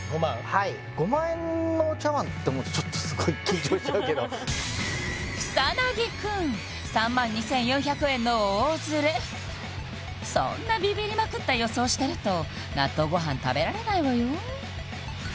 はい５万円のお茶わんって思うとちょっとすごい緊張しちゃうけど草薙くん！３万２４００円の大ズレそんなビビりまくった予想してると納豆ご飯食べられないわよ